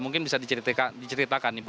mungkin bisa diceritakan ibu